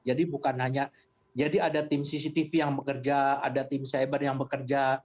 jadi bukan hanya jadi ada tim cctv yang bekerja ada tim cyber yang bekerja